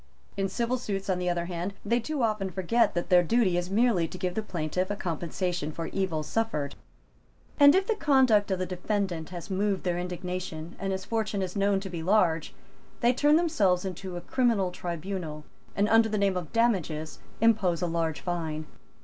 In civil suits, on the other hand, they too often forget that their duty is merely to give the plaintiff a compensation for evil suffered; and, if the conduct of the defendant has moved their indignation and his fortune is known to be large, they turn themselves into a criminal tribunal, and, under the name of damages, impose a large fine.